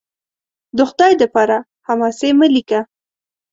د خدای دپاره! حماسې مه لیکه